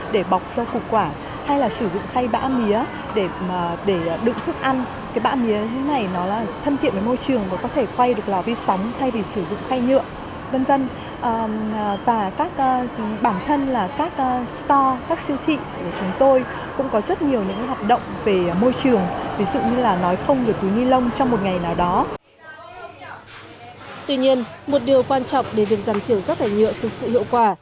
để việc giảm thiểu rác thải nhựa thực sự hiệu quả